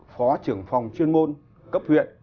phó trưởng phòng chuyên môn cấp huyện